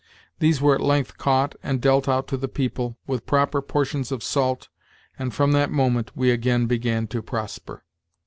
These were at length caught and dealt out to the people, with proper portions of salt, and from that moment we again began to prosper."